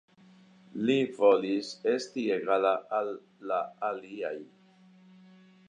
Li volis esti egala al la aliaj.